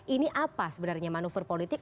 ini apa sebenarnya manuver politik